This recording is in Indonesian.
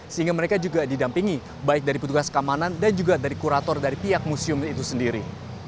sehingga mereka juga didampingi baik dari petugas keamanan dan juga dari kurator dari pihak museum itu sendiri